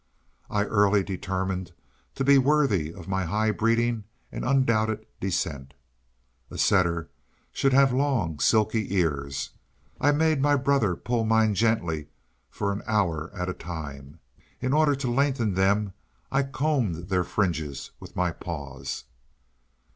I early determined to be worthy of my high breeding and undoubted descent. A setter should have long, silky ears. I made my brother pull mine gently for an hour at a time. In order to lengthen them, I combed their fringes with my paws.